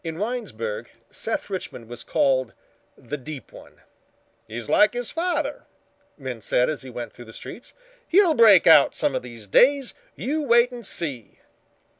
In Winesburg, Seth Richmond was called the "deep one." "He's like his father," men said as he went through the streets. "He'll break out some of these days. You wait and see."